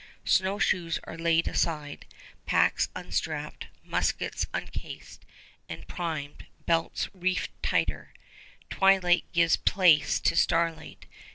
Snowshoes are laid aside, packs unstrapped, muskets uncased and primed, belts reefed tighter. Twilight gives place to starlight.